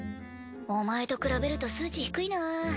お前と比べると数値低いな。